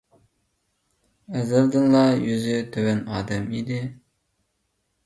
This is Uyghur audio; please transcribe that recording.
ئەزەلدىنلا يۈزى تۆۋەن ئادەم ئىدى.